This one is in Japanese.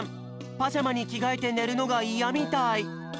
パジャマにきがえてねるのがイヤみたい。